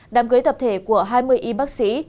đám cưới tập thể của hai mươi y bác sĩ